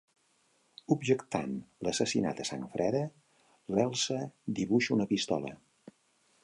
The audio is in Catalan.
Objectant l'assassinat a sang freda, l'Elsa dibuixa una pistola.